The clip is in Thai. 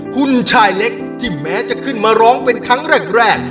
คุณชายเล็กที่แม้จะขึ้นมาร้องเป็นครั้งแรก